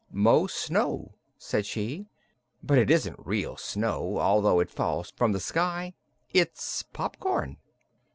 "Mo snow," said she. "But it isn't real snow, although it falls from the sky. It's popcorn."